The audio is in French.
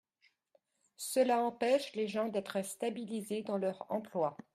Cela empêche les gens d’être stabilisés dans leur emploi.